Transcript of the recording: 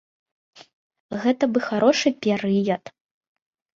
Гэта бы харошы перыяд.